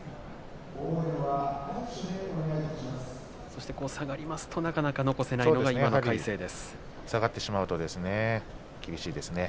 そして下がりますとなかなか残せないのが今の魁聖ですね。